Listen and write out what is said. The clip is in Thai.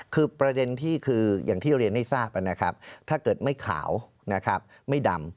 คือประเด็นที่คืออย่างที่เรียนให้ทราบนะครับถ้าเกิดไม่ขาวนะครับไม่ดำ